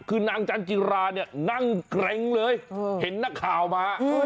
คือนางจันจิราเนี่ยนั่งเกร็งเลยเห็นนักข่าวมา